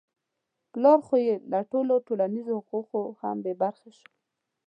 پلار خو يې له ټولو ټولنیزو حقوقو هم بې برخې شوی.